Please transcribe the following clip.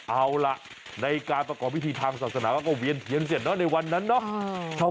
เอาล่ะในการประกอบพิธีทางศาสนาก็เวียนเทียนเสร็จเนอะในวันนั้นเนาะ